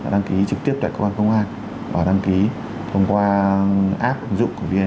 đăng ký trực tiếp tại công an công an và đăng ký thông qua app ứng dụng của vnid